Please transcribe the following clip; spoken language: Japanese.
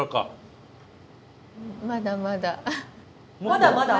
まだまだ？